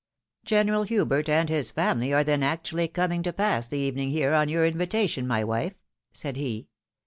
" General Hubert and his family are then actually coming to pass the evening here on your invi tation, my wife?" said he.